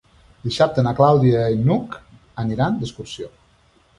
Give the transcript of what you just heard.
Dissabte na Clàudia i n'Hug aniran d'excursió.